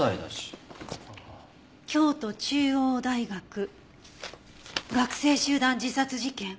「京都中央大学」「学生集団自殺事件」？